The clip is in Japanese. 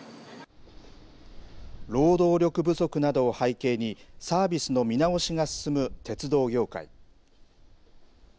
労働力不足などを背景に、サービスの見直しが進む鉄道業界。